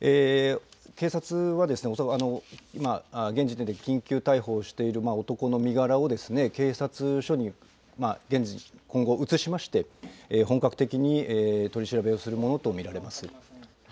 警察は今、現時点で緊急逮捕している男の身柄を、警察署に今後、移しまして、本格的に取り調べをするものと見られます。